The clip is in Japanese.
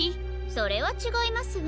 それはちがいますわ。